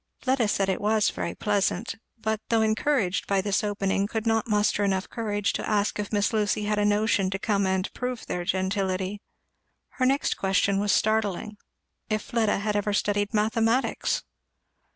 Fleda said it was very pleasant; but though encouraged by this opening could not muster enough courage to ask if Miss Lucy had a "notion" to come and prove their gentility. Her next question was startling, if Fleda had ever studied mathematics?